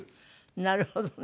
なるほどね。